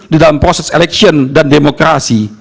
di dalam proses election dan demokrasi